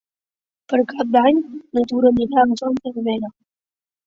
Per Cap d'Any na Tura anirà a Son Servera.